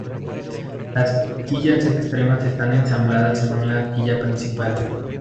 Las quillas externas están ensambladas según la quilla principal.